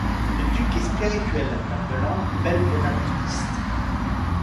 Le duc est spirituel, m'appelant : belle bonapartiste !